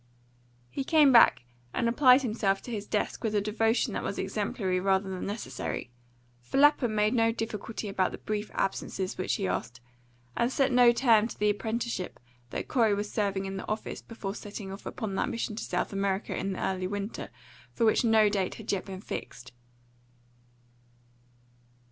He came back and applied himself to his desk with a devotion that was exemplary rather than necessary; for Lapham made no difficulty about the brief absences which he asked, and set no term to the apprenticeship that Corey was serving in the office before setting off upon that mission to South America in the early winter, for which no date had yet been fixed.